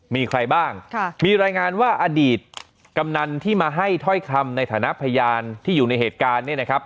มีใครบ้างมีรายงานว่าอดีตกำนันที่มาให้ถ้อยคำในฐานะพยานที่อยู่ในเหตุการณ์เนี่ยนะครับ